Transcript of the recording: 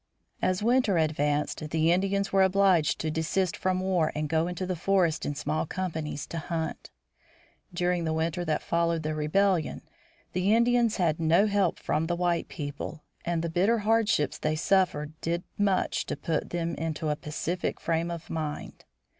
As winter advanced the Indians were obliged to desist from war and go into the forest in small companies to hunt. During the winter that followed the rebellion, the Indians had no help from the white people, and the bitter hardships they suffered did much to put them into a pacific frame of mind.